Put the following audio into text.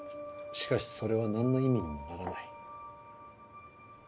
しかしそれはなんの意味にもならない。